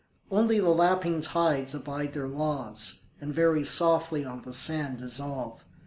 Only the lapping tides abide their laws, And very softly on the sand dissolve.